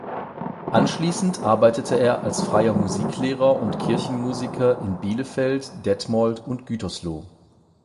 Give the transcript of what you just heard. Anschließend arbeitete er als freier Musiklehrer und Kirchenmusiker in Bielefeld, Detmold und Gütersloh.